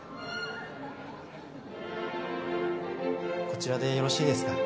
こちらでよろしいですか？